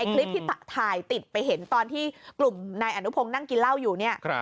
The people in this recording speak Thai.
คลิปที่ถ่ายติดไปเห็นตอนที่กลุ่มนายอนุพงศ์นั่งกินเหล้าอยู่เนี่ย